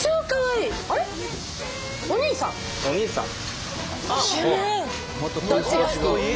お兄さん。